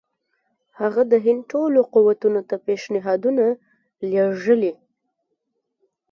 هغه د هند ټولو قوتونو ته پېشنهادونه لېږلي.